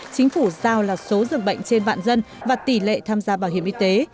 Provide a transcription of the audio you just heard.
chính phủ giao là số dường bệnh trên vạn dân và tỷ lệ tham gia bảo hiểm y tế